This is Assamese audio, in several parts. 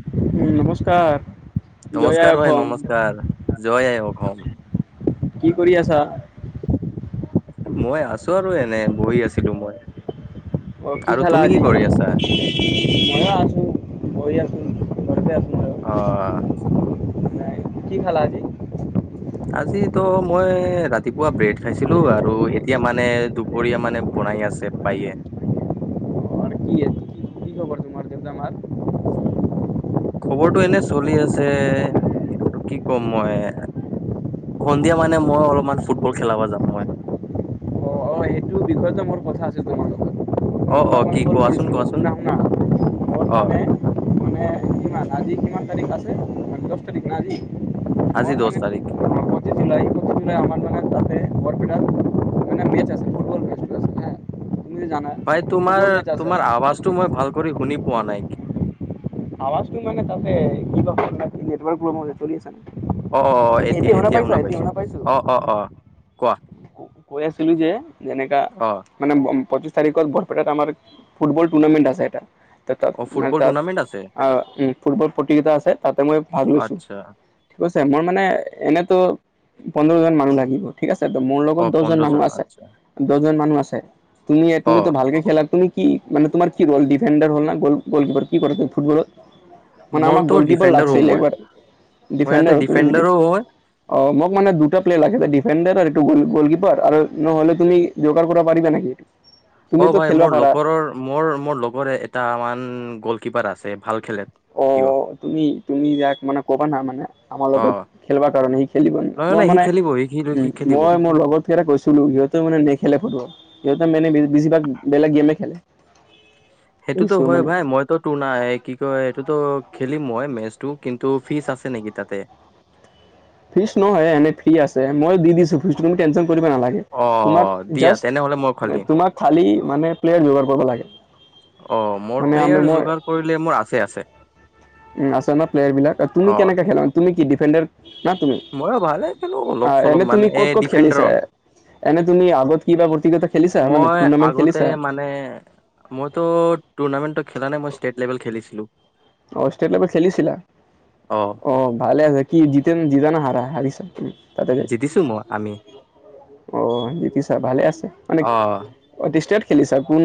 উম, নমস্কাৰ। জয় আই নমস্কাৰ ভাই অসম নমস্কাৰ জয় আই অসম। কি কৰি আছা? মই আছোঁ আৰু এনে বহি আছিলোঁ মই। অ', কি আৰু খালা তুমি আজি? কৰি আছা? ময়ো আছোঁ বহি আছোঁ ঘৰতে আছোঁ ময়ো। অ', কি খালা আজি? আজিতো মই ৰাতিপুৱা ব্ৰেড খাইছিলোঁ আৰু এতিয়া মানে দু কৰিয়া মানে বনাই আছে বায়ে। অ' কি কি কি খবৰ তোমাৰ আৰু দেউতা মা? খবৰটো এনে চলি আছে আৰু কি ক'ম মই সন্ধিয়া মানে মই অলপমান ফুটবল খেলাব যাম মই। বিষয়টো মোৰ কথা আছে তোমাৰ লগত, অ অ তোমাক মই কি ফোন কোৱাচোন কৰিছিলোঁ কোৱাচোন [unintelligible] অ', মানে কিমান আজি কিমান তাৰিখ আছে মানে দশ তাৰিখ না আজি? আজি দশ তাৰিখ। পঁচিশ জুলাই, জুলাই আমাৰ মানে তাতে বৰপেটাত মানে মেচ আছে। ফুটবল মেচটো আছে হা তুমি যে জানা ভাই তোমাৰ ফুটবল মেচ আছে তোমাৰ আৱাজটো মই ভাল কৰি শুনি পোৱা নাই। আৱাজটো মানে তাতে কিবা প্ৰব্লেম নেটৱৰ্ক প্ৰব্লেম হয় আছে শুনিছা নে, এতিয়া শুনা পাইছা, এতিয়া শুনা পাইছো অ', অ', কোৱা কৈ আছিলোঁ যে যেনেকা অ মানে পঁচিছ তাৰিখত বৰপেটাত আমাৰ ফুটবল টৰ্নামেণ্ট আছে এটা। তাত অ মানে ফুটবল তাত টুৰ্ণামেণ্ট আছে আ, উম, ফুটবল প্ৰতিযোগিতা আছে তাতে মই ভাগ লৈছো। আচ্ছা ঠিক আছে মই মানে এনেতো পোন্ধৰ জন মানুহ লাগিব ঠিক আছে, মোৰ লগত অ দশজন পোন্ধৰ মানুহ জন আছে, আচ্ছা দশজন মানুহ আছে, তুমি অ তুমিতো ভালকে খেলা তুমি কি মানে তোমাৰ কি ৰ'ল ডিফেণ্ডাৰ হল না, গল গলকিপাৰ কি কৰে তমি ফুটবলৰ মানে আমাক মোৰতো গ'লকিপাৰ ডিফেণ্ডাৰ হো লাগছিল মই এইবাৰ মই ইয়াতে ডিফেণ্ডাৰ তুমি যদি ডিফেণ্ডাৰো হয় অ', মোক মানে দুটা প্লেয়াৰ লাগেছে ডিফেণ্ড আৰু এইটো গল আৰু নহলে তুমি যোগাৰ কৰা পাৰিবা নেকি এইটো? অ', তুমিতো ভাই খেলিব মোৰ পাৰা লগৰৰ মোৰ মোৰ লগৰ এটামান গল কিপাৰ আছে ভাল খেলে। সিও অ', তুমি তুমি যাক মানে কবা না মানে আমাৰ অ লগত খেলবা কাৰণে সি খেলিব, নহয় মই নহয় সি মানে খেলিব সি সি উম, সি খেলিব মই মোৰ লগত কিবা এটা কৈছিলো সিহঁতে মানে নেখেলে ফুটবল সিহঁতে মানে বেছিভাগ বেলেগ গেমে খেলে সেইটোতো বুজিছো হয় মানে ভাই মইতো নাই কি কয় এইটোতো খেলিম মই মেচটো কিন্তু ফিচ আছে নেকি তাতে? ফিচ নহয় এনে ফ্ৰী আছে মই দি দিছো ফিচতো তুমি টেনশন কৰিব নালাগে। অ তোমাক দিয়া তেনেহলে মই জাষ্ট খালিম তোমাক খালি মানে প্লেয়াৰ যোগাৰ কৰিব লাগে। অ' মোৰ মানে আমি প্লেয়াৰ মই যোগাৰ কৰিলে মোৰ আছে আছে। উ আছে ন প্লেয়াৰ বিলাক, অ তুমি কেনেকে খেলা তুমি কি ডিফেণ্ডাৰ না তুমি মইয়ো ভালে খেলো অলপ আহ চলপ এনে মানে তুমি এই ক'ত ক'ত ডিফেণ্ডাৰত খেলিছা? এনে তুমি আগত কিবা ব্যক্তিগত খেলিছা মানে মই টুৰ্ণামেণ্ট আগতে খেলিছা? মানে মইতো টুৰ্ণামেন্টটো খেলা নাই মই ষ্টেট লেভেল খেলিছিলো। অ' ষ্টেট লেভেল খেলিছিলা? অ' ভালে আছে। কি জতে জিত না হাৰা হাৰিচ? তাতে গৈ, জিতিছো মই আমি অ' জিতিচা ভালে আছে অ' মানে অ' ষ্টেট খেলিছা কোন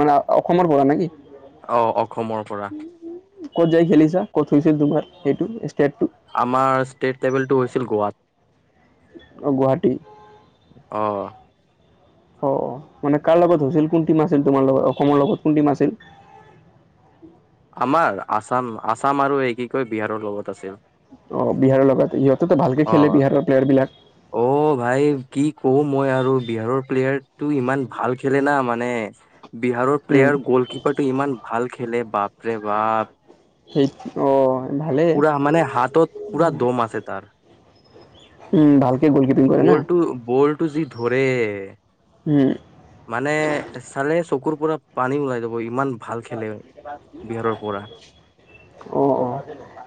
মানে অসমৰ পৰা নে কি? অ' অসমৰ পৰা। ক'ত যাই খেলিছা ক'ত হৈছিল তোমাৰ এইটো ষ্টেটটো? আমাৰ ষ্টেট লেভেল টো হৈছিল গোৱাত। অ' গুৱাহাটী? অ'। অ' মানে কাৰ লগত হৈছিল কোন টিম আছিল তোমাৰ লগত অসমৰ লগত কোন টিম আছিল? আমাৰ আসাম আসাম আৰু এই কি কয় বিহাৰৰ লগত আছিল। অ' বিহাৰৰ লগত ইহঁতেতো ভালকে অ খেলে বিহাৰৰ প্লেয়াৰ বিলাক? অ ভাই কি কওঁ মই আৰু বিহাৰৰ প্লেয়াৰটো ইমান ভাল খেলে না মানে বিহাৰৰ উম প্লেয়াৰ গ'লকিপাৰটো ইমান ভাল খেলে বাপৰে বাপ। সেই অ ভালেই পুৰা মানে হাতত পুৰা দ'ম আছে তাৰ। উম, ভালকে গ'ল বলটো বলটো যি ধৰে। হুম। মানে চালে চকুৰ পৰা পানী ওলাই যাব ইমান ভাল খেলে বিহাৰৰ পৰা। অ', অ'।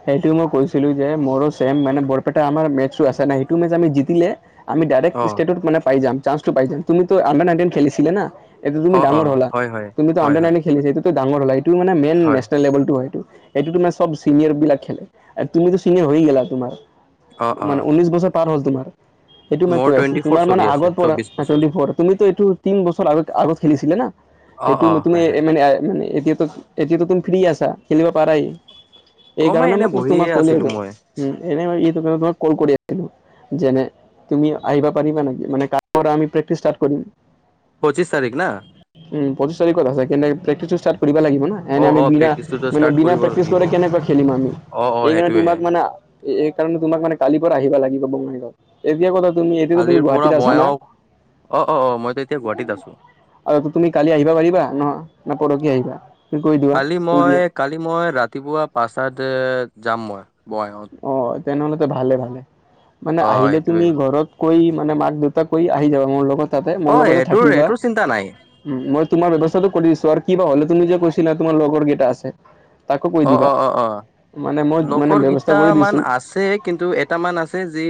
সেইটো মই কৈছিলো যে মোৰো ছেম মানে বৰপেটা আমাৰ মেচো আছে নাই সেইটো মেছ আমি জিতিলে আমি ডাইৰেক্ট অ ষ্টেটত মানে পাই যাম চাঞ্চটো পাই যাম, তুমিটো আণ্ডাৰ নাইনটিন খেলিছিল না। এটো তুমি অ অ ডাঙৰ হ'লা, হয় হয় তুমিটো হয় আণ্ডাৰ হয় নাইনে খেলিছ এইটো টো ডাঙৰ হ'ল, এইটো মানে মেইন হয় নেচনেল লভেলটো হয় এইটো। সেইটো তোমাৰ চব চিনিয়ৰ বিলাক খেলে, তুমিতো চিনিয়ৰ হৈয়ে গ'লা তোমাৰ অ অ মানে ঊনৈশ বছৰ পাৰ হ'ল তোমাৰ। এইটো মই মোৰ কৈ আছো টুৱেণ্টি ফ'ৰ তোমাৰ মানে চলি আছে আগৰ পৰা, চৌবিশ বছৰ টুৱেন্তি ফ'ৰ, তুমিতো এইটো তিন বছৰ আগত আগত খেলিছিলে না। অ সেইটো অ তুমি হয় হয় মানে এতিয় এতিয়াতো তুমি ফ্ৰী আছা, খেলিব পাৰাই। এই অ কাৰণে ম এনে মই বহিয়ে তোমাক হ'ল আছিলো আছো মই এনেই তোমাক ক'ল কৰি আছিলো। যেনে তুমি আহিবা পাৰিবা নেকি মানে কালিৰ পৰা আমি প্ৰেক্টিচ তাত কৰিম। পঁচিছ তাৰিখ না? উম পচিশ তাৰিখত আছে, কিন্তু প্ৰেক্টিছটো ষ্টাৰ্ট কৰিব লাগিব না। অ এনে আমি অ বিনা প্ৰেক্টিচটোতো মানে ষ্টাৰ্ট বিনা কৰিব প্ৰেক্টিচ লাগিব কৰে কেনেকুৱা খেলিম আমি, অ অ এইকাৰণে সেইটোয়ে তোমাক মানে এই কাৰণে তোমাক মানে কালিৰ পৰা আহিবা লাগিব। এতিয়া ক'ত তুমি এতিয়া তুমি কালিৰ পৰা গুৱাহাটত আছা মই না? অ অ অ অ মইতো এতিয়া গুৱাহাটীত আছো আৰু তুমি কালি আহিবা পাৰিবা নহয়? নে পৰহি আহিবা তুমি কৈ দিয়া কালি কৈ মই দিয়া। কালি মই ৰাতিপুৱা পাঁচতাতে যাম মই বঙাইগাঁওত। অ' তেনেহ'লে ভালে ভালে মানে অ আহিলে তুমি সেইটোয়ে ঘৰত কৈ মানে মাক দেউতাক কৈ আহি যাবা, মোৰ লগত তাতে মোৰ অ লগতে এইটোৰ থাকিবা। এইটোৰ চিন্তা নাই উম মই তোমাৰ ব্যৱস্থাতটো কৰি দিছো, আৰু কিবা হ'লে তুমি যে কৈছিলা তোমাৰ লগৰ কেইটা আছে তাকো কৈ অ দিবা মানে মই মানে ব্যৱস্থা টা কৰি মান দিছো আছে কিন্তু এটা মান আছে যি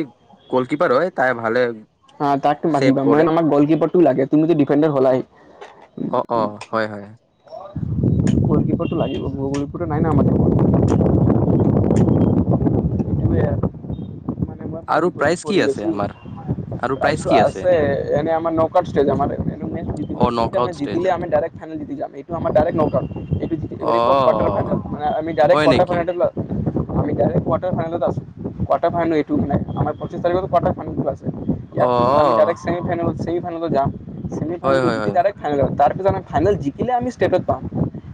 গ'লকিপাৰ হয় তাই ভালে হা তাকটো ছেভ মাতিবা কৰে মেইন আমাক গলকিপাৰটো লাগে তুমি ডিফেণ্ডাৰ হ'লাই। অ, অ হয়, হয়। গলকিপাৰটো লাগিবই। [unintelligible] [unintelligible] আৰু বিপদত প্ৰাইজ কি পৰি আছে গৈছিল আমাৰ আৰু প্ৰাইজ প্ৰাইজটো কি আছে এনে আমাৰ নক আউট ষ্টেজ আমাৰ। [unintelligible] অ নক তিনিটা আউট মেচ জিকিলে ষ্টেজত ডাইৰেক্ট ফাইনেল জিকি যাম। [unintelligible] আমাৰ ডাইৰেক্ট নক আউট, হেৰি অ হেৰি কটাৰ ফাইনাল, মানে আমি ডাইৰেক্ট হয় নেকি ফাইনেলত আমি ডাইৰেক্ট কোৱাৰ্টাৰ ফাইনেলত আছোঁ কোৱাৰ্টাৰ ফাইনেল এইটো মানে পঁচিছ তাৰিখত কোৱাৰ্টাৰ ফাইনেলটো আছে। ইয়াৰ অ পিছত আমি ডাইৰেক্ট ছেমিফাইনেলত ছেমিফাইনেলত যাম হয় ছেমিফাইনেলটো হয় জিটি হয় ডাইৰেক্ট ফাইনেলত তাৰপিছত আমি ফাইনেল জিকিলে আমি ষ্টেটত পাম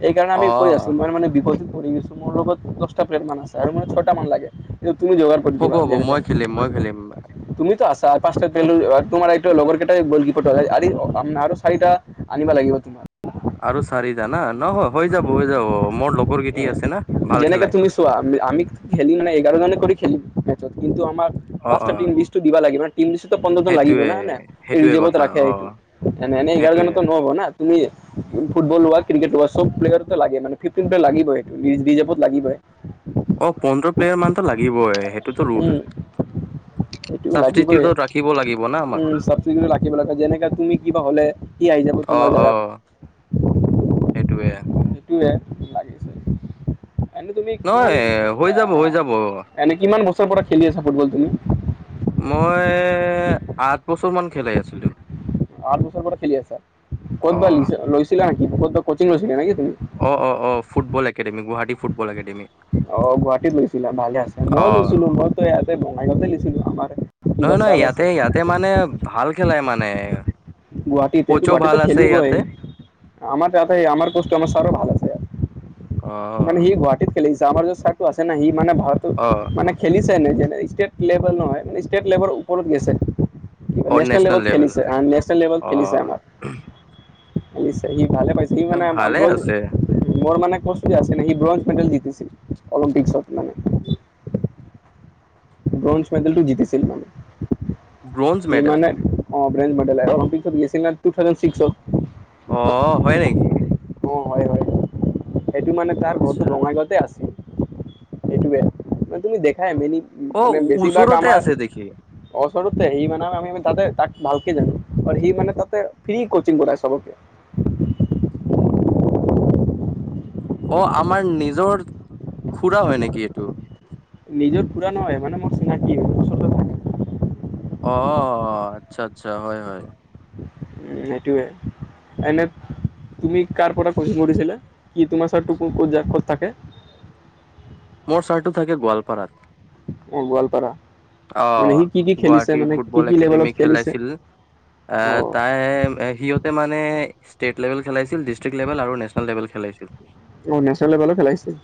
এই কাৰণে আমি অ কৈ আছোঁ মই মানে বিপদত পৰি গৈছ মোৰ লগত দহটা [unintelligible] মান আছে আৰু মানে ছয়টা মান লাগে তুমি যোগাৰ কৰি হ'ব দিবা হ'ব যেনে মই তেনে খেলিম মই খেলিম তুমিটো আছ চাৰ পাঁচ [unintelligible] তোমাৰ এইটো লগৰ কেইটা গল'কীপাৰটো আৰু চাৰিটা আনিবা লাগিব তোমাৰ। আৰু চাৰিটা না নহ হৈ যাব হৈ যাব মোৰ লগ যেনেকে তুমি চোৱা আমি খেলি মানে এঘাৰ জনে কৰি খেলিম মেচত কিন্তু। আমাক অ পাঁচটা অ টীম লিষ্টটো দিব লাগ টীম লিষ্টত পোন্ধৰজন লাগিব সেইটোয়ে না হয় না এই সেইটোয়ে ৰিজাৰ্ভত কথা ৰাখে অ এইটো এনে, এনে সেইটোয়ে এঘাৰজনতো নহ'ব না। তুমি ফুটবল হোৱা ক্ৰিকেট হোৱা চব প্লেয়াৰতো লাগে ফিফটিন প্লেয়াৰ লাগ ৰিজাৰ্ভত লাগিবই। অ পোন্ধৰ প্লেয়াৰ মানতো লাগিবই সেইটোতো ৰুল। সেইটো লাগিবই ৰাখিব লাগিব না আমাক উম [unintelligible] লাগিব লাগে যেনেকা তুমি কিবা হ'লে। সি আহি যাব অ তোমাৰ অ জাগাত। সেইটোৱে। [unintelligible] এনে তুমি কিমান নহয় হৈ যাব হৈ যাব এনে কিমান বছৰৰ পৰা খেলি আছা ফুটবল তুমি? মই আঠ বছৰ মান খেলাই আছোঁ দিয়ক। আঠ বছৰৰ পৰা খেলি আছা অ ক'তবা লৈছিলা নেকি ক'তবা কচিং লৈছিলা নেকি তুমি? অ, অ, অ football academy Guwahati football academy. অ গুৱাহাটীত লৈছিলা ভালে আছে অ মইও লৈছিলোঁ মইতো ইয়াতে বঙাইগাঁৱতে লৈছিলোঁ আমাৰ। কিবা নহয়, নহয় চাল আছে ইয়াতে, ইয়াতে মানে ভাল খেলাই মানে। গুৱাহাটীতে কোচো ভাল গুৱাহাটীত আছে খেলিবই ইয়াতে আমাৰ তাতে আমাৰ কোচটো আমাৰ ছাৰো ভাল। আছে ইয়াত অ মানে সি গুৱাহাটীত খেলিছে আমাৰ যে ছাৰটো আছে না সি মানে ভাল অ। খেলিছে এনে যেনে ষ্টেট লেভেল নহয় মানে ষ্টেট লেভেল ওপৰত গৈছে। নেচনেল লেভেল খেলিছে নেচনেল লেভেল অ খেলিছে আমাৰ খেলিছে সি ভালে পাইছে সি মানে। ভালে আছে [unintelligible] মোৰ মানে কোচটো আছিল [unintelligible] সি ব্ৰঞ্জ মেডেল জিতিছিল অলিম্পিকসত মানে। ব্ৰঞ্জ মেডেলটো জিতিছিল ব্ৰঞ্জ সি মেডেল মানে। অ ব্ৰঞ্জ মেডেল অলিম্পিকত গৈছিল তুথাউজেণ্ডছিক্সট। অ হয় নেকি? অ হয়, হয় সেইটো মানে তাৰ ঘৰটো আচ্ছা বঙাইগাঁৱতে আছিল। সেইটোৱে তুমি দেখাই অ মানে বেছিভাগ ওচৰতে আমাৰ। আছে দেখি ওচৰতে সি মানে আমি তাতে তাক ভালকে জানোঁ আৰু সি মানে তাতে ফ্ৰী কচিং কৰাই চবকে। অ আমাৰ নিজৰ খুৰা হয় নেকি এইটো। নিজৰ খুৰা নহয় মানে মই চিনাকি ওচৰত থাকে। অ আচ্ছা, আচ্ছা হয়, হয়। উম সেইটোৱে এনে। তুমি কাৰ পৰা কচিং কৰিছিলা কি তোমাৰ ছাৰটো ক'ত থাকে? মোৰ ছাৰটো থাকে গোৱালপাৰাত। অ গোৱালপাৰা অ মানে সি কি, কি গুৱাহাটী খেলিছে মানে কি, কি লেভেলত খেলিছে? আ, অ তাই সিহঁত মানে ষ্টেট লেভেল খেলাইছিল ডিষ্ট্ৰিক্ট লেভেল আৰু নেচনেল লেভেল খেলাইছিল। অ', নেশ্যনেল লেভেলো খেলাইছিল।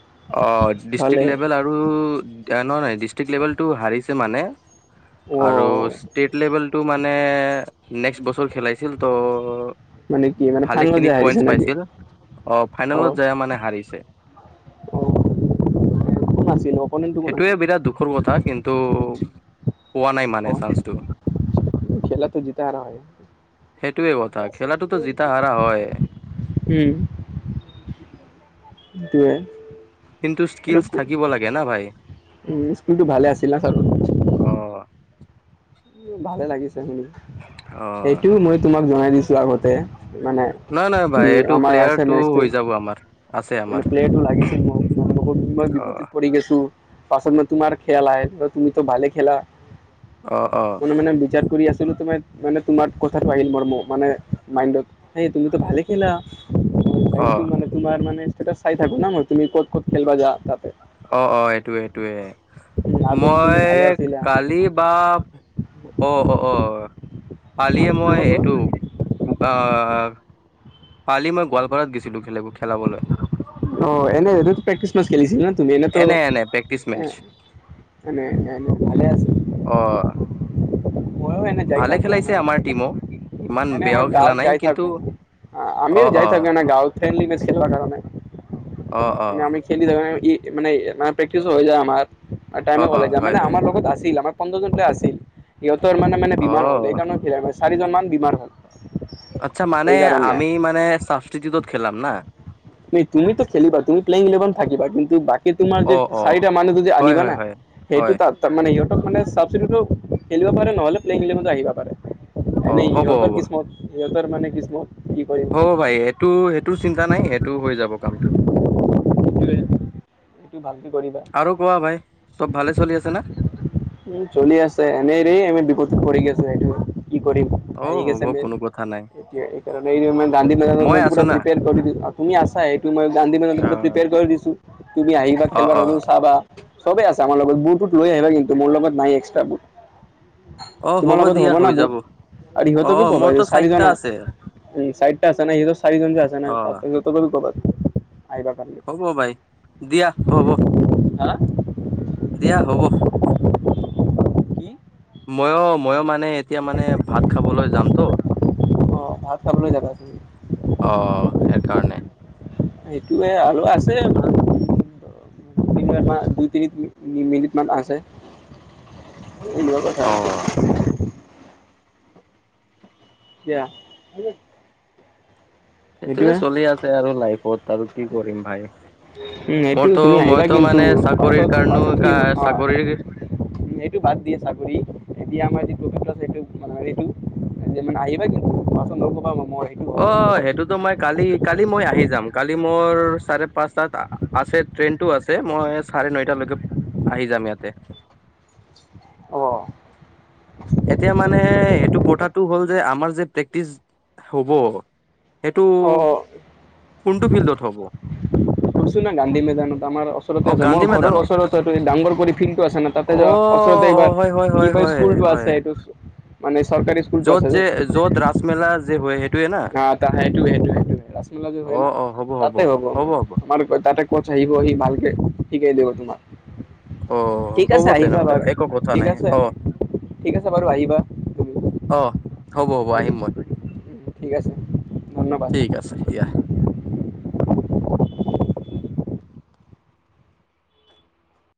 অ', ডিষ্ট্ৰিক লেভেল আৰু নহয় নহয় ডিষ্ট্ৰিকট লেভেলটো হাৰিছে মানে অ আৰু ষ্টেট লেভেলটো মানে নেক্সট বছৰ খেলাইছিল ত' মানে কি মানে ভালে ফাইনেলত খিনি যাই হাৰিছে পইন্ট নেকি পাইছিল অ, ফাইনেলত যাই মানে হাৰিছে। অ', কোন নাছিল অ? সেইটোৱে বিৰাট দুখৰ কথা কিন্তু পোৱা নাই মানে অ চান্সটো খেলা তো জিতা হাৰা হয়। সেইটোৱে কথা খেলাটোতো জিতা হাৰা হয় উম, সেইটোৱে কিন্তু আৰু স্কিলচ থাকিব লাগে না ভাই। উম, স্কুলটো ভালে আছিল না চাৰৰ অ', ভালে লাগিছে শুনি সেইটো মই তোমাক জনাই দিছো আগতে। মানে নাই নাই কি ভাই এইটো আমাৰ আছে প্লেয়াৰটো মেচটো হৈ যাব আমাৰ আছে মানে আমাৰ। প্লেটো লাগিছিল মোৰ মই অ বিপদত পৰি গৈছো, পাছত মই তোমাৰ খিয়াল আহে তুমিতো ভালে খেলা অ অ মনে মনে বিচাৰ কৰি আছিলোঁ তোমাৰ মানে তোমাৰ কথাটো আহিল মোৰ, মানে মাইণ্ডত সেই তুমিতো ভালে খেলা। চাইছো অ', মানে তোমাৰ মানে ষ্টেটাছ চাই থাকো না মই তুমি ক'ত ক'ত খেলবা জোৱা যা তাতে অ', অ', এইটোয়ে এইটোয়ে উম, আগত তুমি মই ভালে আছিলা। কালি বা অ', অ', অ', অ, কালিয়ে মই কোৱা কোৱা। এইটো আ কালি মই গোৱালপাৰাত গেছিলো, খেলাব খেলাবলৈ অ', এনে এটো প্ৰেক্টিচ মেছ খেলিছিল না তুমি এনেইতো এনে এনে প্ৰেক্টিচ মেচ এনে এনে ভলে আছিল অ মই এনে যাই ভালে থাকো খেলাইছে এনে আমাৰ টিমো ইমান এনে আমাৰ বেয়াও খেলা গাঁৱত নাই যাই কিন্তু থাকো আ, অ আমিও যাই অ থাকো এনে গাঁৱত ফ্ৰেণ্ডলী মেচ খেলিবা কাৰণে অ', মানে অ', আমি খেলি থাকা ই মানে প্ৰেক্টিচ হৈ যায় আমাৰ, অ তাইমে অ উলায় হয় মানে হয় আমাৰ লগত আছিল আমাৰ পোন্ধৰ জন প্লেয়াৰ আছিল, সিহঁতৰ মানে মানে বিমাৰ হ'ল, অ' এইকাৰণে খেলা নাই, চাৰিজন মান বেমাৰ হল আচ্ছা মানে এইকাৰণে। আমি মানে ছাবষ্টিটিউটড খেলাম না? তুমি তুমিতো খেলিবা তুমি প্লেয়িং ইলেভন থাকিবা কিন্তু বাকি কি তোমাৰ যে অ' অ' চাৰিটা মানুহটো যে হয় হয় আনিবানা হয় সেইটো হয় তাত মানে সিহঁতক মানে ছাবষ্টিটিউটড খেলিব পাৰে নহলে প্লেয়িং ইলেভেনত আহিব পাৰে। অ' এনেই হ'ব সিহঁতৰ হ'ব কিছমত সিহঁতৰ মানে কিছমত কি হ, ভাই সেইটো সেইটো চিন্তা নাই সেইটো হৈ যাব কামটো। এইটো ভালকে কৰিবা। আৰু কোৱা ভাই চব ভালে চলি আছে না? উম, চলি আছে এনেইৰে আমি বিপত কৰি গেছে সেইটো কি কৰিম অ' আহি হ'ব গৈছে মেন কোনো কথা নাই তেতিয়া সেই কাৰণে এই যে গান্ধী নগৰত মই মানে আছো পুৰা না প্ৰিপোৰ কৰি দি, আপুনি আছা এইটো মই গান্ধী নগৰত অ' প্ৰিপেৰ কৰি দিছোঁ, তুমি আহিবা অ' খেলবা কাৰণে অ' চাবা সবেই আছে আমাৰ লগত, বুটটো লৈ আহেবা কিন্তু মোৰ লগত নাই এক্সট্ৰা বুট। অ' তোমাৰ লগত দিয়া হ'ব না হৈ বুট? যাব আৰু ইহঁতক কি অ' কবা যে মোৰতো চাৰিটা চাৰিজন আছে উম, চাইডটা আছে না সিহঁতৰ চাৰিজন যে আছে না অ' তাতে সিহঁতকো কবা আইিবা কাৰণে। অ', ভাই দিয়া হ'ব। হাঁ? দিয়া হ'ব। কি? ময়ো ময়ো মানে এতিয়া মানে ভাত খাবলৈ যামটো। অ', ভাত খাবলৈ যাবা তুমি? অ', সেই কাৰণে এইটোৱে আৰু আছে মান [unintelligible] কিন্তু এটা দুই তিনি মিনিট মান আছে এনেকুৱা কথা অ' কিয়া সেইটোয়ে চলি আছে আৰু লাইফত আৰু কি কৰিম ভাই? উম, এইটো মোৰতো তুমি আহিবা মইতো কিন্তু মানে চাকৰিৰ পাছত কাৰণো পাছত তুমি অ', চাকৰিৰ উম, এইটো বাদ দিয়ে চাকৰি এতিয়া আমাৰ যিটো [unintelligible] সেইটো এতিয়া মানে আহিবা কিন্তু [unintelligible] মই অ', সেইটোতো মই কালি কালি মই আহি যাম কালি মোৰ চাৰে পাঁচটাত আছে ট্ৰেইনটো আছে মই চাৰে নৈটালৈকে আহি যাম ইয়াতে। অ', এতিয়া মানে সেইটো কথাটো হ'ল যে আমাৰ যে প্ৰেক্টিচ হ'ব সেইটো অ অ কোনটো ফিল্ডত হ'ব? কুইছো না গান্ধী মেদানত আমাৰ ওচৰতে অ আছে, মোৰ গান্ধী ঘৰৰ মৈদানত ওচৰতেটো ডাঙৰ কৰি ফিল্ডটো আছে না তাতে যোৱা অ', অ', হয় - হয় - হয় - হয় - হয় এইটো মানে চৰকাৰী স্কুলটো য'ত যে য'ত ৰাসমেলা যে হয় সেই আ, সেইটোৱে - সেইটোৱে - সেইটোৱে ৰাসমেলা যে হয় না তাতে হব মানে আমাৰ তাতে কচ আহিব সি ভালকে শিকাই দিব তোমাক। অ ঠিক হ'ব আছে আহিবা তেনেহ'লে বাৰু একো কথা ঠিক নাই আছে, অ ঠিক আছে বাৰু আহিবা। তুমি অ', হ'ব হ'ব আহিম মই। ঠিক আছে ধন্যবাদ। ঠিক আছে দিয়া।